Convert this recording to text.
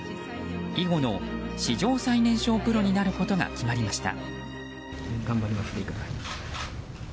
囲碁の史上最年少プロになることが決まりました。